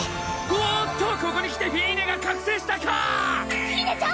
おっとここにきてフィーネが覚醒したか⁉フィーネちゃん